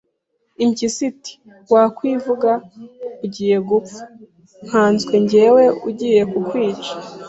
Impyisi iti wakwivuga ugiye gupfa, nkanswe jyewe ugiye kukwica